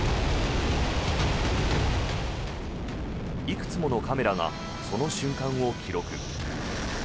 いくつものカメラがその瞬間を記録。